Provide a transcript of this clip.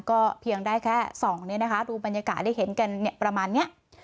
ก็เพียงได้แค่ส่องเนี่ยนะคะดูบรรยากาศได้เห็นกันประมาณนี้